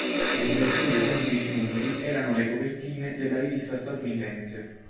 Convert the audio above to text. Le copertine dei primi dieci numeri erano le copertine della rivista statunitense.